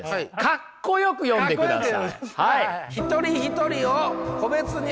格好よく読んでください。